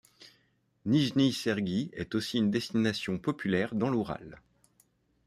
Nijnie Sergui est aussi une destination populaire dans l'Oural.